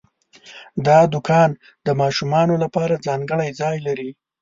دا دوکان د ماشومانو لپاره ځانګړی ځای لري.